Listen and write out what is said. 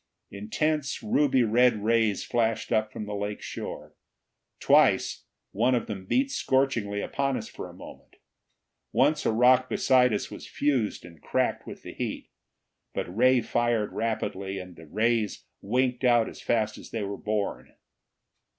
Intense, ruby red rays flashed up from the lake shore. Twice, one of them beat scorchingly upon us for a moment. Once a rock beside us was fused and cracked with the heat. But Ray fired rapidly, and the rays winked out as fast as they were born.